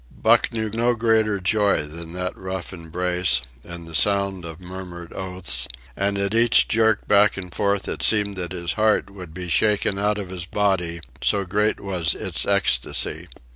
Buck knew no greater joy than that rough embrace and the sound of murmured oaths, and at each jerk back and forth it seemed that his heart would be shaken out of his body so great was its ecstasy.